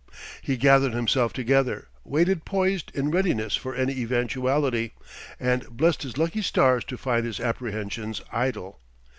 He gathered himself together, waited poised in readiness for any eventuality and blessed his lucky stars to find his apprehensions idle.